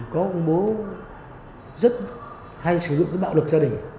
có một bố rất hay sử dụng bạo lực gia đình